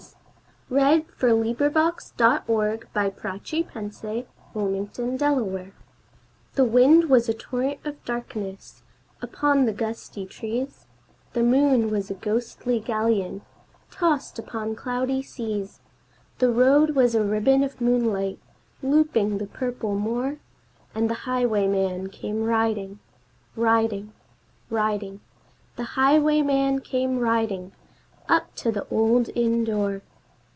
G H . I J . K L . M N . O P . Q R . S T . U V . W X . Y Z The Highwayman THE wind was a torrent of darkness upon the gusty trees, The moon was a ghostly galleon tossed upon cloudy seas, The road was a ribbon of moonlight looping the purple moor, And the highwayman came riding Riding riding The highwayman came riding, up to the old inn door.